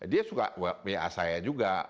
dia suka wa saya juga